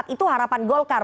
itu harapan golkar